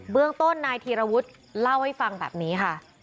เรื่องต้นนายธีรวุฒิเล่าให้ฟังแบบนี้ค่ะ